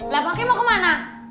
lah pak ki mau kemana